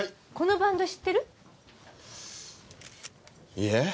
いえ。